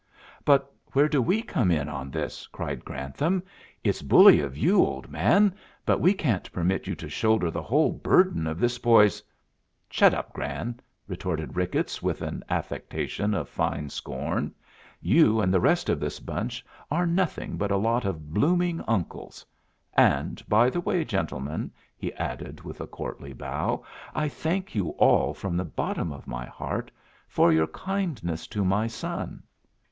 "But where do we come in on this?" cried Grantham. "It's bully of you, old man, but we can't permit you to shoulder the whole burden of this boy's " "Shut up, Gran!" retorted Ricketts, with an affectation of fine scorn. "You and the rest of this bunch are nothing but a lot of blooming uncles. And by the way, gentlemen," he added, with a courtly bow, "I thank you all from the bottom of my heart for your kindness to my son.